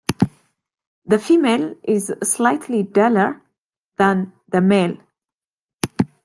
The female is slightly duller than the male.